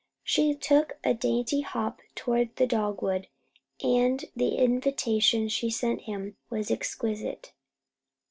She took a dainty hop toward the dogwood, and the invitation she sent him was exquisite.